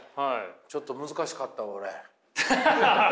ちょっと難しかったわ俺。ハハハハ。